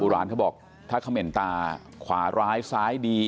ร้านเขาบอกถ้าเขม่นตาขวาร้ายซ้ายดี